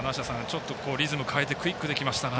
ちょっとリズムを変えてクイックできましたが。